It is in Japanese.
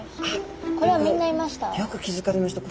これはみんないました？